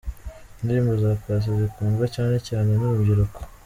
Indirimbo za Paccy zikundwa cyane cyane n'urubyiruko.